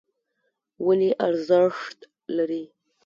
ونې ارزښت لري.